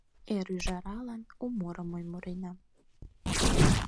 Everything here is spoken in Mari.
Эр ӱжаралан у мурым мый муренам.